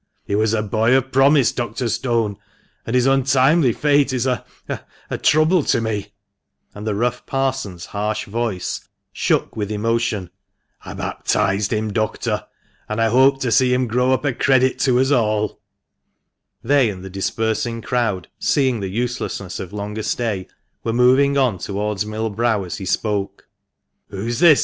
He was a boy of promise, Dr. Stone, and his untimely fate is a — a — trouble to me ;" and the rough Parson's harsh voice shook with emotion. " I baptised him, Doctor, and I hoped to see him grow up a credit to us all." They, and the dispersing crowd, seeing the uselessness of longer stay, were moving on towards Mill Brow as he spoke. " Who's this